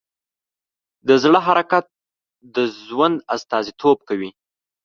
د زړه حرکت د ژوند استازیتوب کوي.